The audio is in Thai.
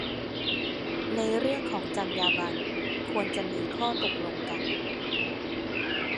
ในเรื่องของจรรยาบรรณ ควรจะมีข้อตกลงกัน